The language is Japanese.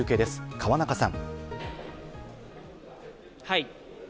河中さん。